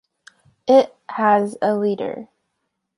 It has a leader.